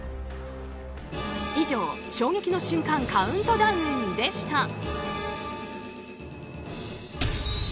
以上衝撃の瞬間カウントダウンでした。